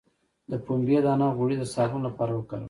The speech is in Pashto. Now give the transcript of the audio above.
د پنبې دانه غوړي د صابون لپاره وکاروئ